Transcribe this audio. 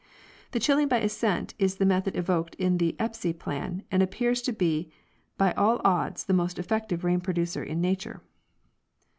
The chilling by ascent is the method evoked in the Espy plan and appears to be by all odds the most effective rain producer in nature.